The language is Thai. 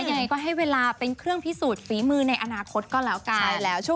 ยังไงก็ให้เวลาเป็นเครื่องพิสูจน์ฝีมือในอนาคตก็แล้วกัน